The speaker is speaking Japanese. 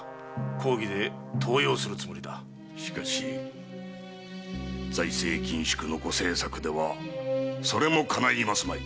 しかし財政緊縮の御政策ではそれもかないますまい。